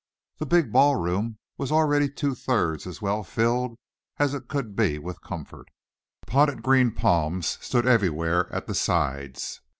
The big ballroom was already two thirds as well filled as it could be with comfort. Potted green palms stood everywhere at the sides.